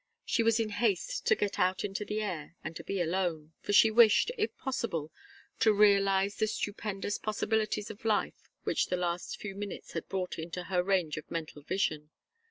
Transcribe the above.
She was in haste to get out into the air and to be alone, for she wished, if possible, to realize the stupendous possibilities of life which the last few minutes had brought into her range of mental vision.